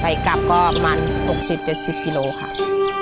ไปกลับก็ประมาณ๖๐๗๐กิโลกรัมค่ะ